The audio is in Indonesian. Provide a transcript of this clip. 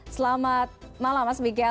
selamat malam mas miguel